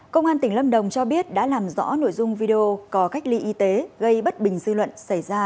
công an tỉnh lâm đồng cho biết đã làm rõ nội dung video có cách ly y tế gây bất bình dư luận xảy ra